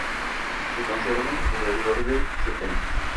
Se conservan alrededor de setenta.